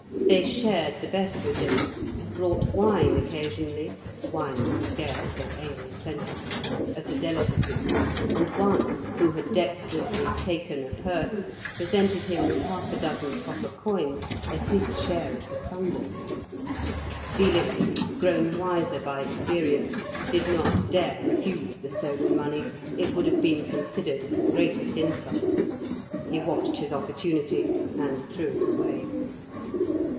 They shared the best with him, brought wine occasionally (wine was scarce, though ale plentiful) as a delicacy, and one, who had dexterously taken a purse, presented him with half a dozen copper coins as his share of the plunder. Felix, grown wiser by experience, did not dare refuse the stolen money, it would have been considered as the greatest insult; he watched his opportunity and threw it away.